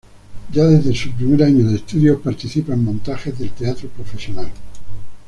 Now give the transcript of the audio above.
Ya desde su primer año de estudios participa en montajes del teatro profesional.